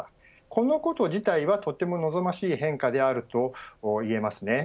このこと自体はとても望ましい変化であると言えますね。